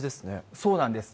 そうなんです。